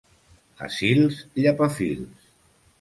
A Sils, llepafils.